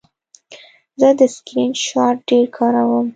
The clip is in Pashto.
زه د سکرین شاټ ډېر کاروم.